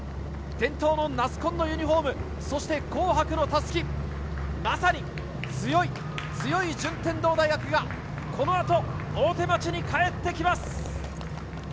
伝統の茄子紺のユニホーム、そして紅白の襷、まさに強い強い順天堂大学がこのあと大手町に帰ってきます。